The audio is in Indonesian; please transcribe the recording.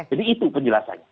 jadi itu penjelasannya